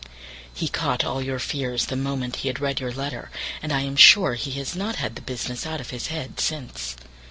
He caught all your fears the moment he had read your letter, and I am sure he has not had the business out of his head since.